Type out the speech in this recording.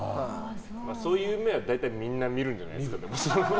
そういう夢はみんな大体見るんじゃないんですか。